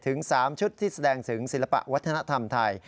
ถึง๓ชุดที่แสดงถึงศิลปะวัฒนธรรมไทย